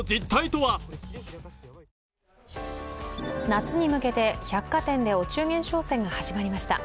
夏に向けて百貨店でお中元商戦が始まりました。